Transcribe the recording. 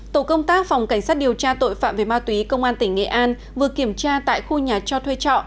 tổ công tác phòng cảnh sát điều tra tội phạm về ma túy công an tỉnh nghệ an vừa kiểm tra tại khu nhà cho thuê trọ